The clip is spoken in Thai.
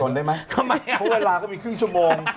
เพราะเวลาก็มีครึ่งชั่วโมง